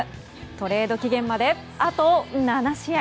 トレード期限まで、あと７試合。